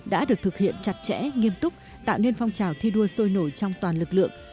đã được thực hiện chặt chẽ nghiêm túc tạo nên phong trào thi đua sôi nổi trong toàn lực lượng